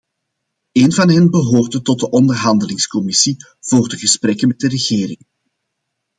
Een van hen behoorde tot de onderhandelingscommissie voor de gesprekken met de regering.